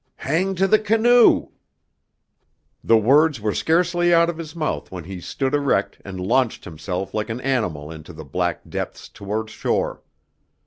"Hang to the canoe!" The words were scarcely out of his mouth when he stood erect and launched himself like an animal into the black depths toward shore.